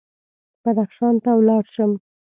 بدخشان ته ولاړ شم.